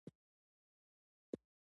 زه د اضطراب د کمولو لپاره تمرین کوم.